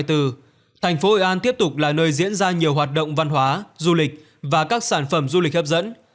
thành phố hội an tiếp tục là nơi diễn ra nhiều hoạt động văn hóa du lịch và các sản phẩm du lịch hấp dẫn